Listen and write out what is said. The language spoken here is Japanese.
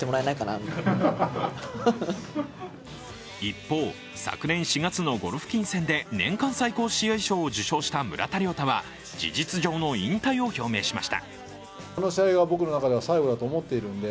一方、昨年４月のゴロフキン戦で年間最高試合賞を受賞した村田諒太は事実上の引退を表明しました。